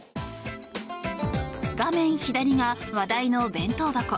画面左が話題の弁当箱。